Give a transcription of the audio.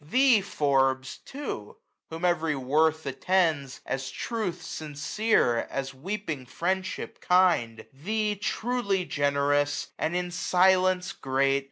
Thee, Forbes, too, whom every worth attends. As truth sincere, as weeping friendship kind ; Thee, truly generous, and in silence great.